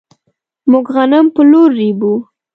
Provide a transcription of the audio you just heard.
موږ غنم په لور ريبو.